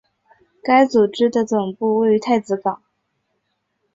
该组织的总部位于太子港。